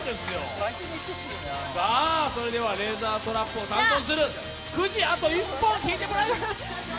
それではレーザートラップを担当するくじ、あと１本引いてもらいます。